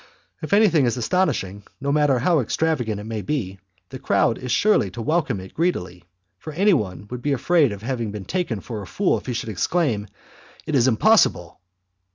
If anything is astonishing, no matter how extravagant it may be, the crowd is sure to welcome it greedily, for anyone would be afraid of being taken for a fool if he should exclaim, "It is impossible!"